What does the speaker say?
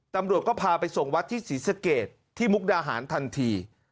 ตำรวจก็พาไปส่งวัดที่ศรีสเกตที่มุกดาหารทันที